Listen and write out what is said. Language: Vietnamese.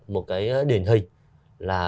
một cái điển hình là